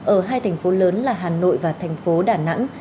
ở hai thành phố lớn là hà nội và thành phố đà nẵng